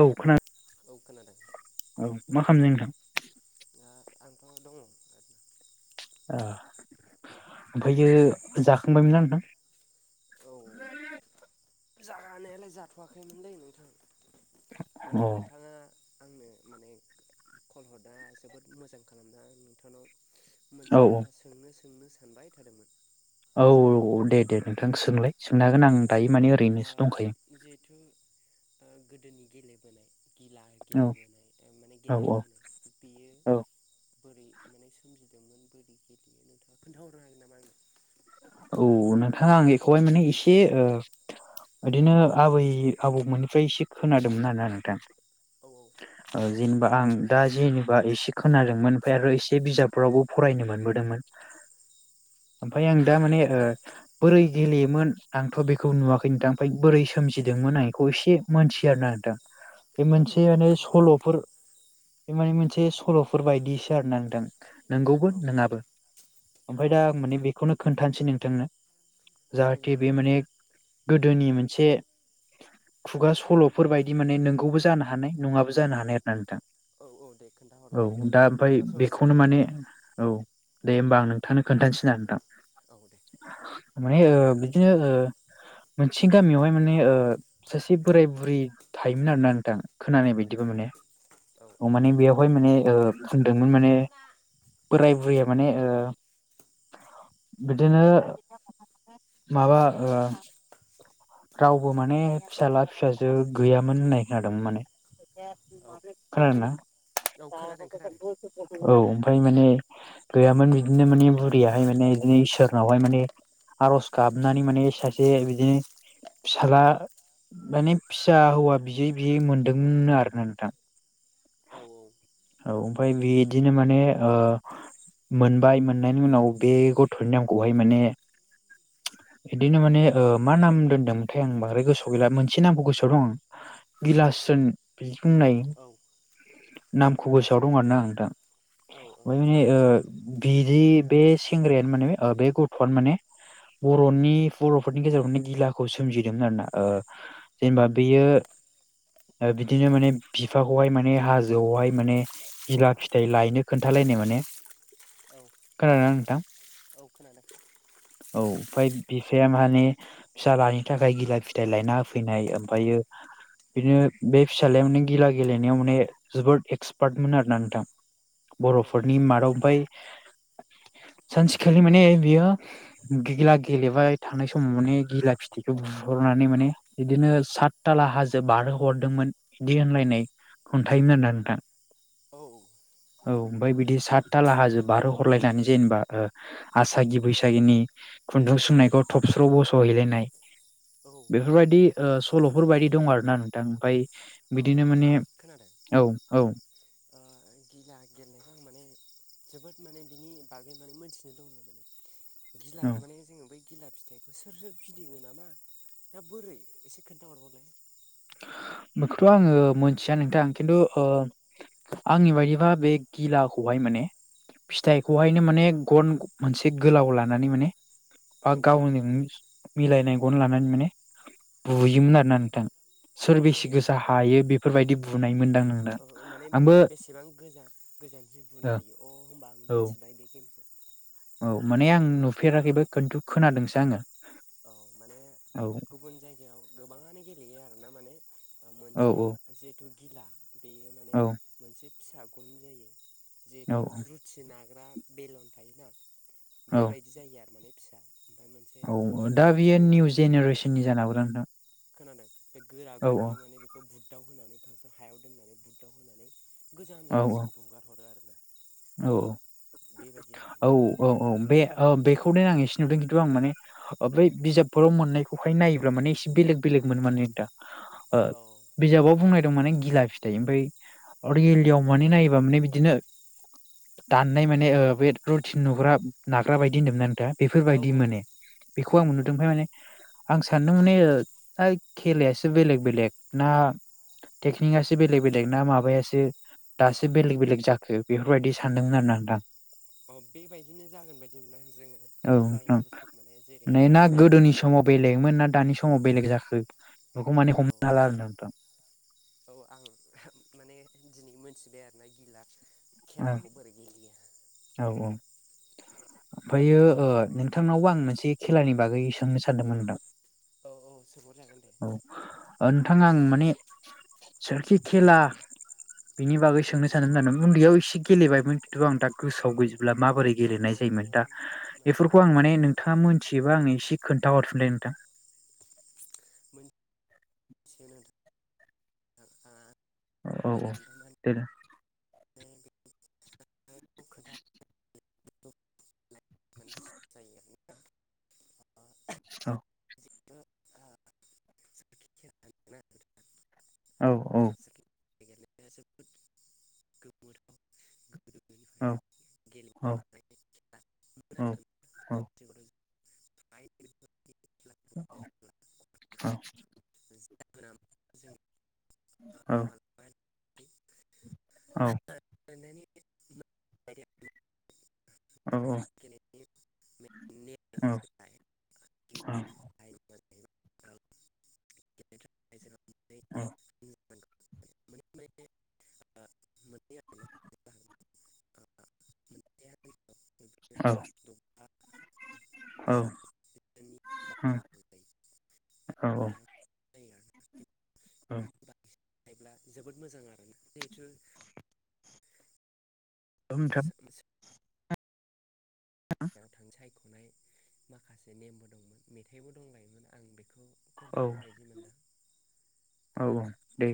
औ खोनादों। खोनादों। औ मा खालामदों नोंथां? दा आंथ' दङ' ओ ओमफ्रायो जाखांबायमोनना नोंथां? औ जानायालाय जाथ'वाखैमोनलै नोंथां। अ नोंथाङा आंनो माने कल हरना जोबोद मोजां खालामदों आं नोंथांनाव औ मोनसे बाथ्रा सोंनो सोंनो सानबाय थादोंमोन। औ औ दे दे नोंथां सोंलाय सोंनो हागोन आं दायो माने ओ ओरैनोसो दंखायो। जिहेथु ओ गोदोनि गेलेबोनाय गिला औ गेलेबोनाय माने औ औ गेलेनाय होनो बेयो औ बोरै माने सोमजिदोंमोन बोरै गेलेयो नोंथाङा खोन्थाहरनो हागोन नामा आंनो? औ नोंथां आं बेखौहाय माने एसे ओ बिदिनो आबै आबौमोननिफ्राय एसे खोनादोंमोन आरो ना नोंथां। औ औ औ जेनबा आं दा जेनेबा एसे खोनादोंमोन ओमफ्राय आरो एसे बिजाबफोरावबो फरायनो मोनबोदोंमोन ओमफाय आं दा माने ओ बोरै गेलेयोमोन आंथ' बेखौ नुवाखै नोंथां, ओमफाय बोरै सोमजिदोंमोन आं बेखौ एसे मोनथियो आरोना नोंथां बे औ दे मोनसे माने खोन्थाहरलाय सल'फोर बे माने मोनसे सल'फोर बायदि सो आरोना नोंथां नोंगौबो औ नोङाबो। ओमफाय दा आं औ माने बेखौनो खोन्थानोसै नोंथांनो जायो जाहाथे दे बे माने गोदोनि मोनसे खुगा सल'फोर बायदि माने नोंगौबो जानो हानाय नङाबो जानो हानाय आर ना नोंथां। औ औ दे खोन्थाहरलाय औ आं दा ओमफ्राय खोनासंनो बेखौनो माने लुबैथारबाय औ दे होनबा आं नोंथांनो खोन्थानोसै ना नोंथां? औ दे। माने ओ बिदिनो ओ मोनसे गामियावहाय माने ओ सासे बोराय बुरै थायोमोन आरोना नोंथां खोनानाय बायदिबा औ माने औ माने बेयावहाय माने ओ बुंदोंमोन नै माने साफाना बोराय बुरैया माने ओ बिदिनो माबा ओ रावबो माने फिसाला फिसाजो गैयामोन होननाय खोनादोंमोन माने। औ खोनादोंना? औ खोनादों खोनादों औ ओमफाय माने गैयामोन बिदिनो माने बुरियाहाय माने बिनो इसोरनावहाय माने आरज गाबनानै माने सासे बिदिनो फिसाला माने फिसा हौवा बियै बियै मोनदोंमोन आरो ना नोंथां। औ औ औ ओमफ्राय बिदिनो माने ओ मोनबाय मोननायनि उनाव बे ग थ'नि नामखौहाय माने बिदिनो औ माने ओ मा नाम दोनदोंमोनथाय आं बांद्राय गोसोआव गैला मोनसे नामखौ गोसोआव दं आं गिला स्रोन बिर बुंनाय औ नामखौ गोसोआव दं आरोना आं नोंथां औ माने ओ बिदि बे सेंग्रायानो माने ओ बे गथ'आनो माने बर'नि बर'फोरनि गेजेरावनो गिलाखौ सोमजिहोदोंमोन आरोना ओ जेनबा बेयो ओ बिदिनो माने बिफाखौहाय माने हाजोआवहाय माने गिला फिथाइ लायनो खोनथाला योमोन माने औ खोनादोंना नोंथां? औ खोनादों। औ ओमफ्राय बिफाया माने फिसालानि थाखाय गिला फिथाइ लायना होफैनाय ओमफ्रायो बिदिनो बे फिसालायावनो माने गिला गेलेनायाव माने जोबोद एक्सपार्टमोन आरोना नोंथां। औ बर'फोरनि मादाव उमफ्राय सान से खालि माने बियो गिला गेलेबाय थानाय समाव माने गिला फिथिखौ बुहरनानै मा ने बिदिनो सातथाला हाजो बारहो हरदोंमोन बिदि होनलायनाय खन्थायोमोन आरोना नोंथां औ औ ओमफ्राय बिदि सातथाला हाजो बारहो हरलायनानै जेनेबा ओ आसागि बैसागिनि खुन्दुं सोंनायखौ थबस्र' बस'हैलायनाय औ औ बेफोरबायदि ओ सल'फोर बायदि दं आरो ना नोंथां ओमफ्राय बिदिनो माने नोंथां खोनादों औ औ ओ गिला गेलेनायखौ आं माने जोबोद माने बिनि बागै माने मोनथिनो दं आरो माने गिलाखौ औ माने जोङो बै गिला फिथाइखौ सोर सोर फिदिङो नामा ना बोरै एसे खोन्थाहरबावलाय बेखौथ' आङो मोनथिया नोंथां खिन्थु ओ आंनि बायदिबा बे गिलाखौहाय माने औ फिथाइखौहायनो माने गन मोनसे गोलाव लानानै माने बा औ गावनो मिलायनाय गन लानानै माने बुयोमोन आरोना नोंथां सोर बिसि औ गोसा हायो बेफोरबायदि बुनाय मोनदां नोंदा माने बेसेबां गोजा गोजानसिन बुनो हायो अ होमबा आं औ मिथिबाय बे गेमखौ औ माने आं नुफेराखैबो खिनथु खोनादोंसो आङो। औ माने औ गुबुन जायगायाव गोबाङानो गेलेयो आरोना माने औ मोनसे जिहेथु गिला बेयो माने औ मोनसे फिसा गुन जायो। औ जिहेथु रुथि नाग्रा बेलन थायोना औ बेबायदि जायो आरो माने फिसा ओमफ्राय मोनसे औ दा माने बियो गोरा निउ गन लायो जेनेरेसननि जानो हागौ ना नोंथां? खोनादों बे गोरा औ औ गनजों माने बेखौ बुगदाव होनानै फास्ताव हायाव दोननानै बुगदाव हरनानै गोजान औ जायगासिम बुगार हरो आरो ना औ आरो औ माने औ गिला औ बे ओ बे खौ आं एसे नुदों खिनथु आं माने ओ बै बिजाबफोराव मोननायखौहाय नायोब्ला माने एसे बेलेग बेलेग मोनो माने दा ओ औ बिजाबाव बुंनाय माने गिला फिथाइ ओमफ्राय अरिलियाव माने नायोबा माने बिदिनो दाननाय माने बे रुति नुग्रा नाग्रा बायदि होनदोंमोना दा औ बेफोरबायदि माने बेखौ आं नुदों औ ओमफाय माने आं सानदों माने हैत खेलायासो बेलेग बेलेग ना टेकनिकासो बेलेग बेलेग ना माबायासो दासो बेलेग बेलेग जाखो बेफोरबायदि सानदोंमोन आरोना नोंथां अ बेबायदिनो जागोन बायदिमोनदों आं जोङो औ जाय नोंथां बुसथुखौ माने जेरै नुदों बेबायदिनो जागोन। मोन ना दानि समाव बेलेग जाखो बेखौ माने औ हमनो हाला आरो नोंथां औ आं माने दिनै मोनथिबाय आरोना गिला औ खेलाखौ बोरै गेलेयो औ औ ओमफ्रायो ओ नोंथांनावबो आं मोनसे खेलानि बागै सोंनो सानदोंमोन नोंथां औ औ सोंहरजागोन दे औ ओ नोंथां आं माने सोरखि खेला बिनि बागै सोंनो सानदोंमोन आरो ना उनदैयाव इसे गेलेबायमोन खिनथु आं दा गोसोआव गैजोबला माबोरै औ गेलेनाय जायोमोन दा माने बेफोर खौ आं माने नोंथाङा मोनथियोबा आंनो एसे खोनथा हरफिनलाय नोंथां [inaudible] आंथ' औ औ माने बेनो बेखौ खोन्था [inaudible] माने गोसो जायो [inaudible] आरोना औ औ औ जोबोद गोमोथाव गोदोनिफ्राय औ औ गेलेबाय थानाय खेला मोनो औ औ आरोना दानि जुगावथ' जों फ्राय बेफोरबायदि खेलाखौ गेलेनाय नुला औ गथ'फोरखौ जाहोना जों औ [unintelligible] औ औ गिबि गेलेनो औ थाखाय औ जोंहा मोननै टीम जानांगौ औ माने माने ओ मोननै आरोना ओ मोनसे [unintelligible] औ स्नि जोननि बारा ओ नांगौ जायो औ नि औ गाहायाव [inaudible] औ गायोब्ला जोबोद मोजां आरोना जिहेथु नोंथां [unintelligible] सायख'नाय माखासे नेमबो दंमोन मेथाइबो दंलायोमोन आं बेखौ औ खनथ'ला बायदि मोनदां औ औ खोनादों दे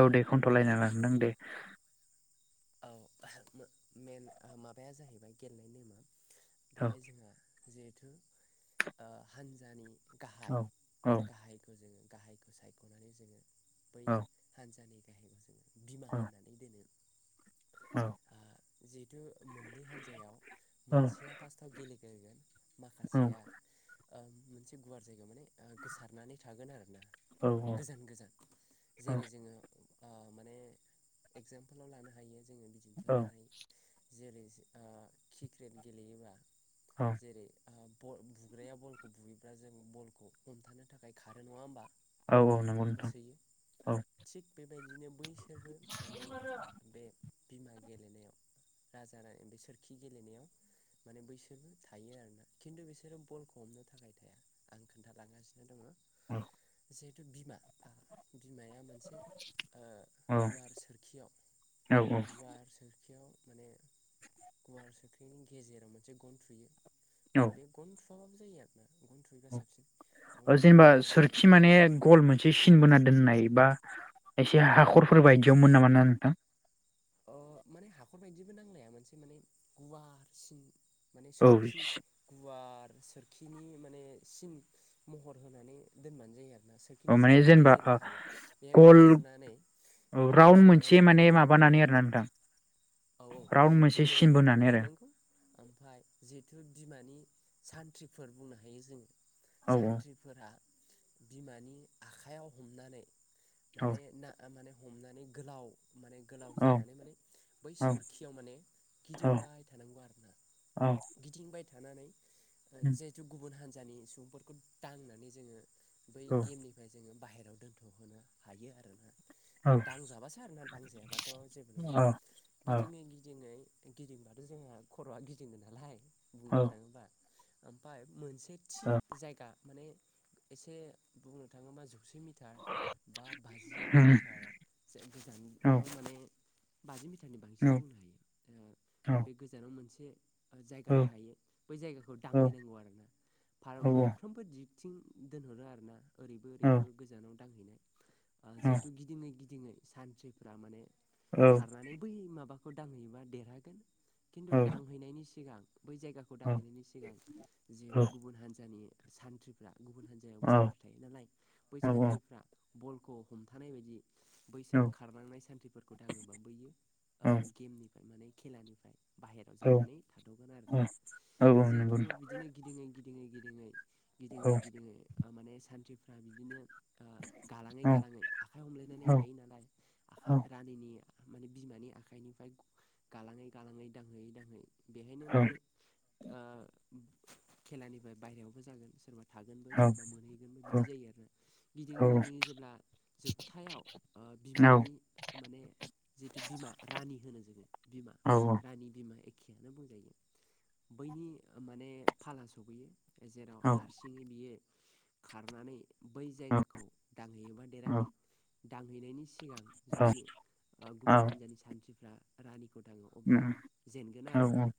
औ दे खनथ'लायनाङा औ नों दे औ मेन माबाया जाहैबाय गेलनाय नेमा औ बेहाय जोंहा जिहेथु ओ हानजानि औ औ गाहायखौ सायख'नानै जोङो बै औ हान्जानि गा बिमा औ होननानै दोनो औ ओ जिहेथु मोननै हान्जायाव मोनसेया फार्स्टआव गेलेग्रोगोन माखासेया ओ मोनसे गुवार जायगायाव माने ओ गोसारनानै थागोन आरोना गोजान गोजान जेरै जोङो ओ माने एगजामपोलाव लानो हायो जोङो बिदिन्थि औ लानाय जेरै ओ क्रिकेट गेलेयोबा औ जेरै ओ बल बुग्राया बलखौ बुयोब्ला जों बलखौ हमथानो थाखाय खारो नङा होमबा औ औ नंगौ नोंथां होसोयो औ थिग बेबायदिनो बैसोरबो माने बे बिमा गेलेनायाव राजा रानि बे सोरखि गेलेनायाव माने बैसोरबो थायो आरोना खिन्थु बिसोरो बलखौ हमनो थाखाय थाया आं खोन्थालांगासिनो दङ औ जिहेथु बिमा बिमाया मोनसे ओ औ गुवार सोरखियाव औ गुवार सोरखियाव माने गुवार सोरखिनि गेजेराव मोनसे गन थुयो औ बे गन थुआबाबो जायो आरोना गन थुयोबा साबसिन गन जेनेबा थुयोबा सोरखि माने गल मोनसे सिन बोना दोननाय बा एसे हाखरफोर बायदियाव मोन नामा ना नोंथां अ माने हाखरबायदिबो नांलाया मोनसे माने गुवारसिन माने औ सोरखि गुवार सोरखिनि माने सिम महर होनानै दोनबानो जायो आरो औ सोरखिनि माने जिहेतु जेनेबा गेजेर बाहागो बे गन थुनानै औ ओ राउड बिमाया मोनसे बेयाव माने हमथाना माबानानै थानांगौ आरोना नोंथां औ औ राउन्ड मोनसे बिमाया सिन हमथाना बोनानै आरो थानांगौ ओमफ्राय जिहेथु बिमानि सानथ्रिफोर बुंनो हायो जोङो औ सानथ्रिफोरा बिमानि आखाइयाव हमनानै औ माने ना माने हमनानै गोलाव माने गोलाव जानानै माने बै औ सोरखियाव माने औ गिदिंबाय थानांगौ आरोना औ गिदिंबाय थानानै जिहेथु गुबुन हान्जानि सुबुंफोरखौ दांनानै जोङो बै गेमनिफ्राय जोङो बाहेरायाव दोनथ'होनो हायो आरोना दांजाबासो आरोना दांजायाबाथ' जेबो नङा गिदिङै गिदिङै गिदिंबाथ' जोंहा खर'आ गिदिङो नालाय बुंनो थाङोबा ओमफ्राय मोनसे थि जायगा माने एसे बुंनो थाङोबा जौ जौसे मिटार बा बाजि मिटार गोजानाव माने बाजि मिटारनि बांसिन बुंनो हायो ओ बे गोजानाव मोनसे जायगा थायो बै जायगाखौ दांहैनांगौ आरोना फार मोनफ्रोमबो दिग थिं दोनहरो आरो ना ओरैबो ओरैबो गोजानाव दांहैनाय ओ जिहेथु गिदिंनाय गिदि गिदिङै सान्थ्रिफ्रा माने खारनानै बै माबाखौ दांहैयोबा देरहागोन खिन्थु दांहैनायनि सिगां बै जायगाखौ दांहैनायनि सिगां जिहेथु गुबुन हान्जानि सानथ्रिफ्रा गुबुन हान्जायावबो सानथ्रि थायो नालाय बै सानथ्रिफ्रा बलखौ हमथानाय बायदि बैसोर खारलांनाय सान्थ्रिफोरखौ दाङोबा बैयो ओ गेमनि माने खेलानिफ्राय बाहेराव औ औ जानानै थाथगोन औ आरोना औ औ नंगौ जिहेथु नोंथां बिदिनो गिदिङै गिदिङै गिदिङै औ गिदिङै गिदिङै माने सानथ्रिफ्रा बिदिनो गालाङै औ गालाङै आखाइ हमलायनानै औ थायो नालाय औ आखाइ दैनि माने बिमानि आखाइनिफ्राय गालाङै गालाङै दांहैयै दांहैयै बेहायनो औ माने ओ खेलानिफ्राय बायहेरायावबो जागोन सोरबा थागोनबो सोरबा मोनहैगोनबो बिदि जायो आरोना गिदिङै औ - गिदिङै जेब्ला जोबथायाव ओ बिमानि माने जिथु बिमा रानि होनो जोङो बिमा रानि बिमा खियानो बुंजायो बैनि माने फाला सफैयो। जेराव हारसिङै बियो खारनानै बै जायगाखौ दांहैयोबा देरहागोन दांहैनायनि सिगां जुदि गुबुन हान्जानि सानथ्रिफ्रा रानि खौ दाङो अब्ला जेनगोन आरोना औ औ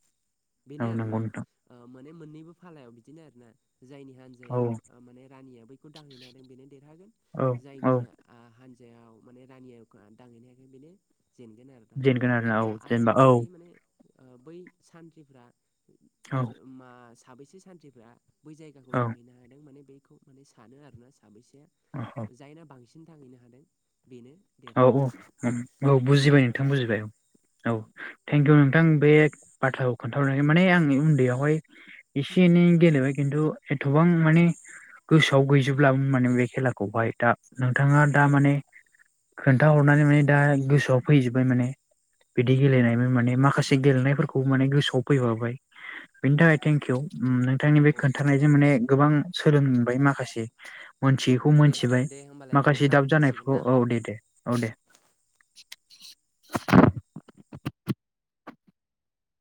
औ बेनो आरोना नंगौ नोंथां ओ मोन माने मोननैबो फालायाव बिदिनो आरो ना। जायनि औ हान्जाया माने रानिया बैखौ दांहैनो हादों बेनो देरहागोन औ जायनि औ आं हान जायाव माने रानिया दांहैनो हायाखै बेनो जेनगोन आरो दा जेनगोन आरोना औ आरो जेनेबा ओरैबो औ थायो माने बै सान्थ्रिफ्रा औ मा साबैसे सानथ्रिफ्रा बै जायगाखौ औ दांहैनो हादों माने बे बेखौ माने सानो आरोना साबैसेया जायना बांसिन थांहैनो हादों बेनो औ औ देरहायो आरोना औ बेनो बुजिबाय नोंथां आरोना बुजिबाय औ औ। औ थेंकिउ नोंथां बे बाथ्राखौ खोन्थाहर माने आं उन्दैयावहाय एसे एनै गेलेबाय किन न्थु एथबां माने गोसोआव गैजोबब्ला माने बे खेलाखौहाय दा। नोंथाङा दा औ माने खोन्थाहरनानै माने दा गोसोआव फैजोबबाय माने। बिदि गेलेनायमोन माने माखासे गेलेनायफोरखौ माने गोसोआव फैफाबाय। बेनि औ थाखाय थेंकिउ। ओ नोंथांनि औ बे औ खोन्थानायजों माने गोबां सोलोंबाय माखासे। मोनथियैखौ दे मोनथिबाय दे होमबालाय नोंथां माखासे ना दाब जासिगोन ना जानायफोरखौ औ दे दे [unintelligible]